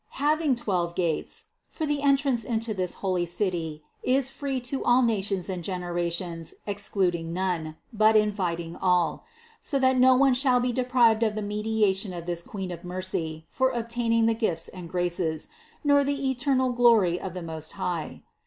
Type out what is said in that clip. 273. "Having twelve gates," for the entrance into this holy City is free to all nations and generations excluding none, but inviting all; so that no one shall be deprived of the mediation of this Queen of mercy for obtaining the gifts and graces, nor the eternal glory of the Most High.